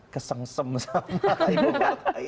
kesengsem sama ibu marta